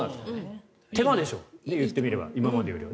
手間でしょう言ってみれば今までよりは。